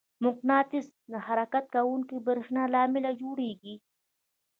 مقناطیس د حرکت کوونکي برېښنا له امله جوړېږي.